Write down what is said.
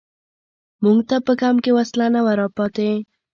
موږ ته په کمپ کې وسله نه وه را پاتې.